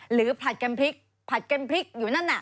หรือผัดแก่มพริกผัดแก่มพริกอยู่นั่นน่ะ